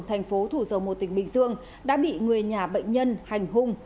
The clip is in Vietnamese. thành phố thủ dầu một tỉnh bình dương đã bị người nhà bệnh nhân hành hung